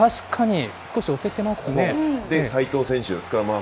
確かに、少し押せてますね。